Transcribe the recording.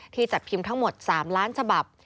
จัดพิมพ์ทั้งหมด๓ล้านฉบับ